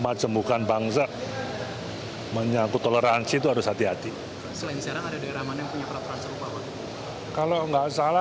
dalam hal menilai itu adalah